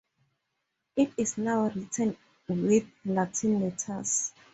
It is now written with Latin letters.